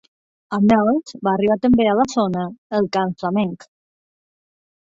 Amb ells va arribar també a la zona el cant flamenc.